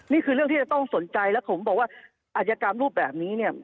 นี่คือเรื่องที่จะต้องสนใจและผมบอกว่าอาจยกรรมรูปแบบนี้เนี่ย